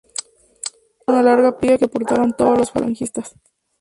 Esta era una larga pica que portaban todos los falangistas.